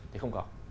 thì không có